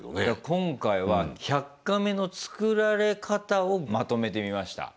今回は「１００カメ」の作られ方をまとめてみました。